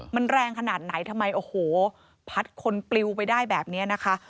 มันแรงขนาดไหนทำไมโอ้โหพัดคนปลิวไปได้แบบนี้นะคะ